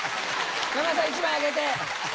山田さん１枚あげて。